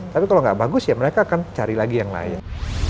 tapi kalau nggak bagus ya mereka akan cari lagi yang lain